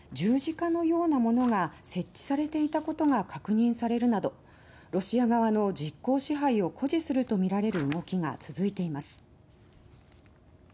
貝殻島の灯台を巡っては今月２４日に外壁が白く塗られ十字架のようなものが設置されていたことが確認されるなどロシア側の実効支配を誇示するとみられる動きが続いています。